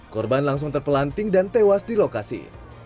korban langsung terpelanting dan tewas di lokasi